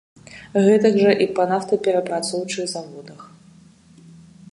Гэтак жа і па нафтаперапрацоўчых заводах.